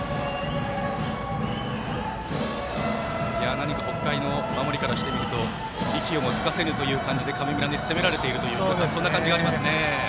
何か北海の守りからしてみると息をもつかせぬという形で神村学園に攻められているというそんな感じがありますね。